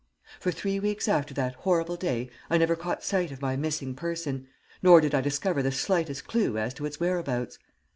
"For three weeks after that horrible day I never caught sight of my missing person, nor did I discover the slightest clue as to its whereabouts.